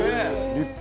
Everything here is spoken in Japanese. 「立派！」